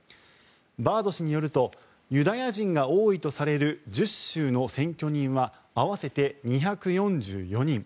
バード氏によるとユダヤ人が多いとされる１０州の選挙人は合わせて２４４人。